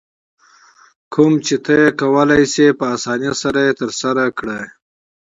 کوم چې ته یې کولای شې په اسانۍ سره یې ترسره کړې.